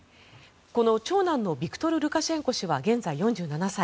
この長男のビクトル・ルカシェンコ氏は現在４７歳。